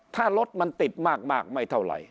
ถ้ารถมันติดมากไม่เท่าไหร่